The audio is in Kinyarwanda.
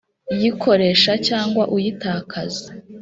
yikoresha cyangwa uyitakaze